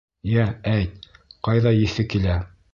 — Йә, әйт, ҡайҙа еҫе килә?